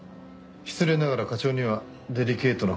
失礼ながら課長にはデリケートな過去がある。